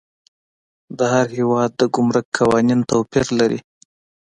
د هر هیواد د ګمرک قوانین توپیر لري.